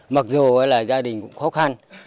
mặc dù là gia đình cũng khó khăn